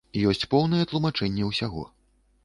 Ёсць поўнае тлумачэнне ўсяго.